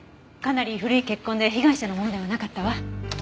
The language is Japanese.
かなり古い血痕で被害者のものではなかったわ。